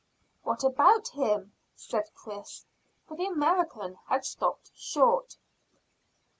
"What about him?" said Chris, for the American had stopped short.